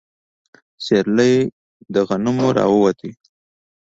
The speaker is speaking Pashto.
سيرلي له غنمو راووت.